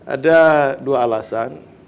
ada dua alasan